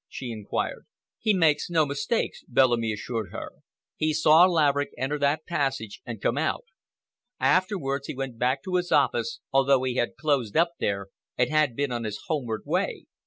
she inquired. "He makes no mistakes," Bellamy assured her. "He saw Laverick enter that passage and come out. Afterwards he went back to his office, although he had closed up there and had been on his homeward way.